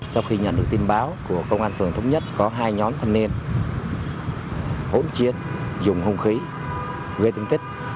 sau khi nhận được tin báo của công an tp buôn ma thuột có hai nhóm thanh niên hỗn chiến dùng hung khí gây tin tích